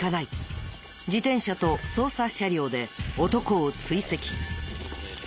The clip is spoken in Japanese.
自転車と捜査車両で男を追跡。